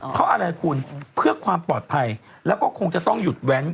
เพราะอะไรคุณเพื่อความปลอดภัยแล้วก็คงจะต้องหยุดแว้น